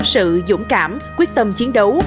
sự dũng cảm quyết tâm chiến đấu